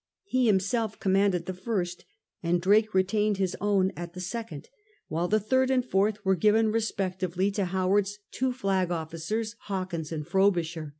He himself commanded the first and Drake retained his own as the second, while the third and fourth were given respectively to Howard's two flag officers, Hawkins and Frobisher.